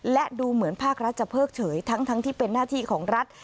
และดูเหมือนภาครัฐจะเพิกเฉยทั้งที่เป็นหน้าที่ของรัฐ